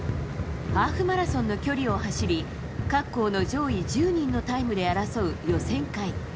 ハーフマラソンの距離を走り各校上位１０人のタイムで争う予選会。